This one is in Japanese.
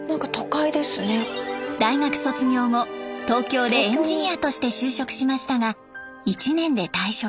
大学卒業後東京でエンジニアとして就職しましたが１年で退職。